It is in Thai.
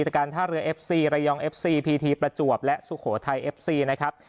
จากการท่าเรือเอฟซีระยองเอฟซีพีทีประจวบและสุโขทัยเอฟซีนะครับ